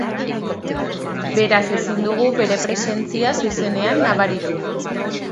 Beraz ezin dugu bere presentzia zuzenean nabaritu.